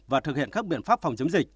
và thực hiện các biện pháp phòng chấm dịch